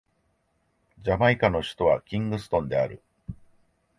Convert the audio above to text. ジャマイカの首都はキングストンである